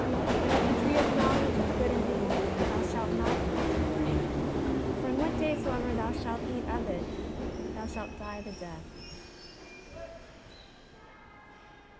But of the tree of knowledge of good and evil, thou shalt not eat. For in what day soever thou shalt eat of it, thou shalt die the death."